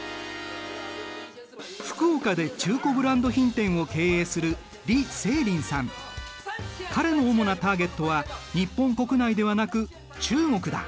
福岡で中古ブランド品店を経営する彼の主なターゲットは日本国内ではなく中国だ。